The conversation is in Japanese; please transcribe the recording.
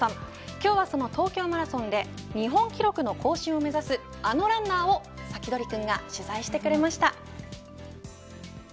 今日はその東京マラソンで日本記録の更新を目指すあのランナーを、サキドリくんが取材してくれました。